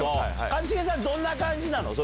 一茂さんどんな感じなの？